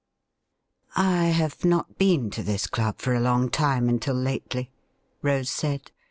' I have not been to this club for a long time until lately,' Rose said.